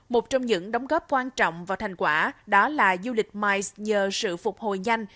một trong những đóng góp quan trọng vào thành quả đó là du lịch miles nhờ sự phục hồi nhanh